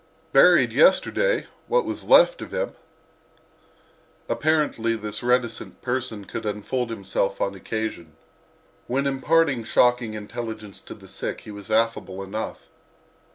"Buried yesterday—what was left of him." Apparently this reticent person could unfold himself on occasion. When imparting shocking intelligence to the sick he was affable enough.